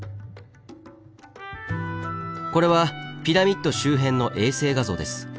これはピラミッド周辺の衛星画像です。